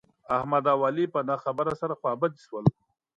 احمد او علي په نه خبره سره خوابدي شول.